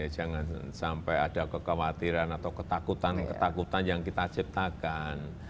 jangan sampai ada kekhawatiran atau ketakutan ketakutan yang kita ciptakan